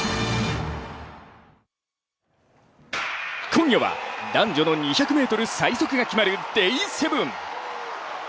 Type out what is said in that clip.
今夜は男女の２００ｍ最速が決まるＤＡＹ７。